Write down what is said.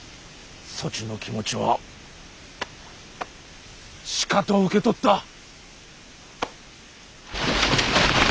そちの気持ちはしかと受け取った。